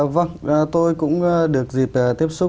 vâng tôi cũng được dịp tiếp xúc